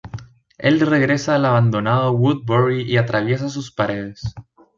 El regresa al abandonado Woodbury y atraviesa sus paredes.